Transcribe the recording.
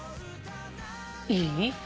いい？